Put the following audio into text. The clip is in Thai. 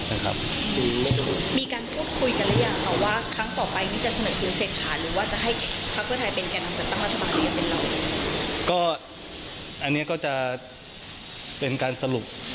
อันนี้ก็จะเป็นการสรุป